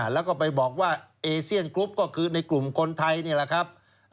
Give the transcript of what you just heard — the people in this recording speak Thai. แล้วก็ไปบอกว่าเอเซียนกรุ๊ปก็คือในกลุ่มคนไทยนี่แหละครับ